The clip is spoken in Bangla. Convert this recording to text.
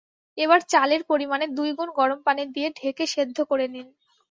এবার চালের পরিমাণের দুই গুণ গরম পানি দিয়ে ঢেকে সেদ্ধ করে নিন।